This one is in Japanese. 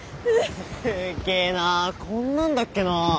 すっげえなあこんなんだっけな。